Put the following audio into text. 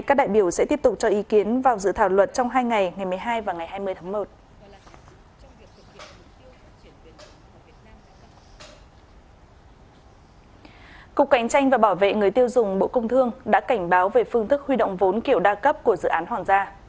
cục cảnh tranh và bảo vệ người tiêu dùng bộ công thương đã cảnh báo về phương thức huy động vốn kiểu đa cấp của dự án hoàng gia